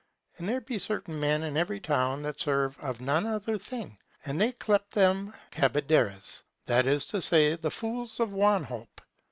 And there be certain men in every town that serve of none other thing; and they clepe them cadeberiz, that is to say, the fools of wanhope.